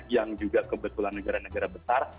yang juga kebetulan negara negara besar